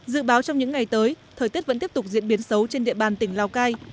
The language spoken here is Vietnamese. dự báo trong những ngày tới thời tiết vẫn tiếp tục diễn biến xấu trên địa bàn tỉnh lào cai